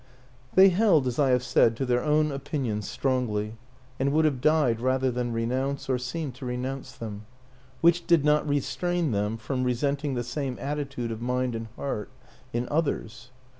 They held, as I have said, to their own opin ions strongly and would have died rather than renounce, or seem to renounce, them which did not restrain them from resenting the same attitude of mind and heart in others.